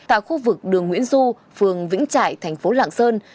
tại khu vực đường nguyễn du phường vĩnh trại thành phố lạng sơn